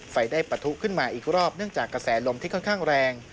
ไฟได้ปะทุขึ้นมาอีกรอบเนื่องจากกระแสลมที่ค่อนข้างแรง